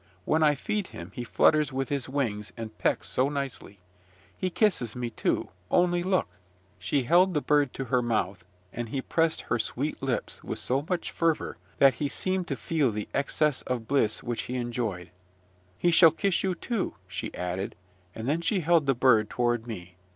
When I feed him, he flutters with his wings, and pecks so nicely. He kisses me, too, only look!" She held the bird to her mouth; and he pressed her sweet lips with so much fervour that he seemed to feel the excess of bliss which he enjoyed. "He shall kiss you too," she added; and then she held the bird toward me.